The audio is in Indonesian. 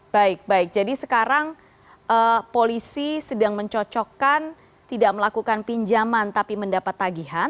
baik baik jadi sekarang polisi sedang mencocokkan tidak melakukan pinjaman tapi mendapat tagihan